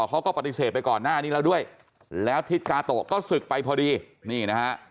เขาก็ปฏิเสธไปก่อนหน้านี้แล้วด้วยแล้วทิศกาโตะก็ศึกไปพอดีนี่นะฮะ